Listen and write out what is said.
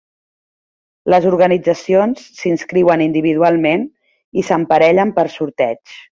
Les organitzacions s'inscriuen individualment i s'emparellen per sorteig.